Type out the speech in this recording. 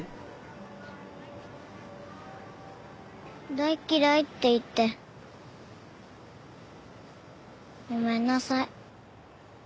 大嫌いって言ってごめんなさい。